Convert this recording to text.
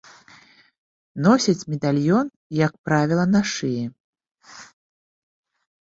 Носяць медальён, як правіла, на шыі.